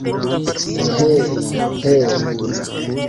He, he!